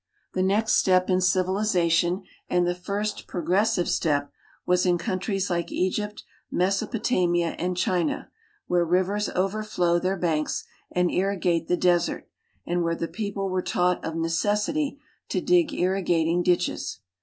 The next step in civilization, and the first progressive step, was in coun tries like Egypt, Mesopotamia, and China, where rivers overflow their banks and irrigate the desert, and where the people were taught of neces sity to dig irrigating ditches.